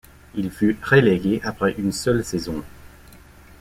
Il fut relégué après une seule saison.